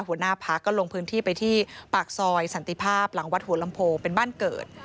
หัวหน้าพักก็ลงพื้นที่ไปที่ปากซอยสันติภาพหลังวัดหัวลำโพเป็นบ้านเกิด